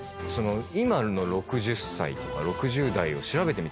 今の６０歳とか６０代を調べてみたんですよ。